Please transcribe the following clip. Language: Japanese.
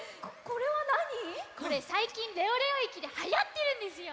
これさいきんレオレオ駅ではやってるんですよ！